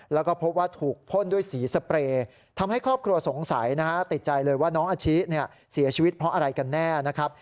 แล้วก็พบว่าถูกพ่นด้วยสีสเปรย์ทำให้ครอบครัวสงสัยนะฮะติดใจเลยว่าน้องอาชิเนี่ยเสียชีวิตเพราะอะไรกันแน่นะครับ